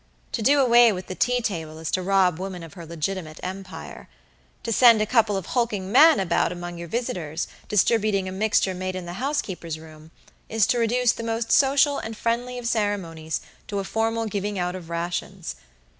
To do away with the tea table is to rob woman of her legitimate empire. To send a couple of hulking men about among your visitors, distributing a mixture made in the housekeeper's room, is to reduce the most social and friendly of ceremonies to a formal giving out of rations.